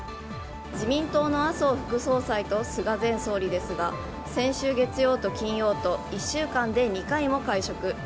自民党の麻生副総裁と菅前総理ですが先週月曜と金曜と１週間で２回も会食。